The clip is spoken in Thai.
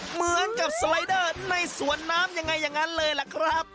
เหมือนกับสไลเดอร์ในสวนน้ำยังไงอย่างนั้นเลยล่ะครับ